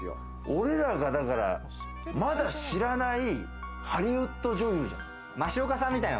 俺らがまだ知らないハリウッド女優じゃない？